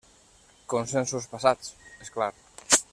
Consensos passats, és clar.